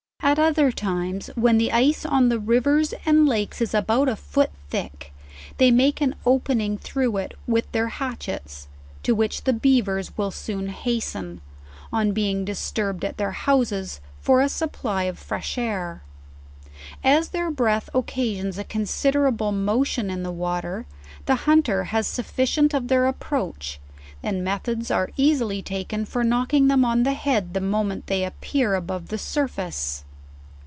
At other times when the ice on the rivers and lakes is about half a foot thick, they make an opening through it with their hatchets, to which the beavers will soon hasten, on be ing disturbed at their houses, for a supply of fresh air. As their breath occasions a considerable motion in the water, the hunter has sufficient of their approach, and methods are ea sily taken for knocking them on the head the moment they appear above the surface.